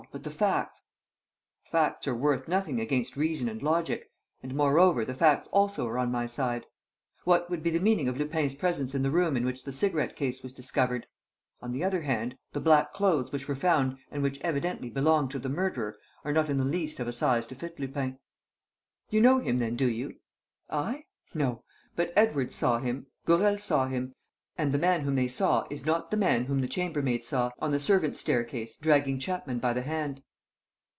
But the facts?" "Facts are worth nothing against reason and logic; and, moreover, the facts also are on my side. What would be the meaning of Lupin's presence in the room in which the cigarette case was discovered? On the other hand, the black clothes which were found and which evidently belonged to the murderer are not in the least of a size to fit Lupin." "You know him, then, do you?" "I? No. But Edwards saw him, Gourel saw him; and the man whom they saw is not the man whom the chambermaid saw, on the servants' staircase, dragging Chapman by the hand."